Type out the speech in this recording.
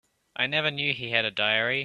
I never knew he had a diary.